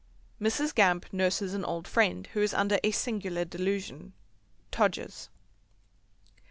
Mrs. Gamp nurses an old friend who is under a singular delusion. Todgers's.